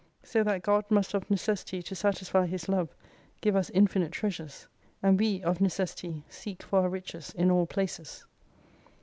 So that God must of necessity to satisfy His love give us infinite treasures. And we of necessity seek for our riches in all places.